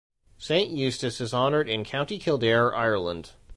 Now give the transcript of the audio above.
Saint Eustace is honored in County Kildare, Ireland.